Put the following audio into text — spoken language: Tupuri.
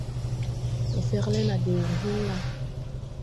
Ndo fer le na de wur hũn la?